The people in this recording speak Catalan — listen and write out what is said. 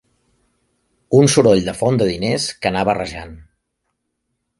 Un soroll de font de diners que anava rajant